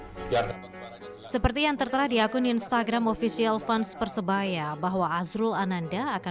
hai biar seperti yang tertera di akun instagram official fans persebaya bahwa azrul ananda akan